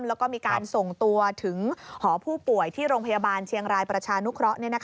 แล้วก็มีการส่งตัวถึงหอผู้ป่วยที่โรงพยาบาลเชียงรายประชานุเคราะห์